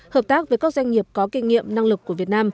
hợp tác với các doanh nghiệp có kinh nghiệm năng lực của việt nam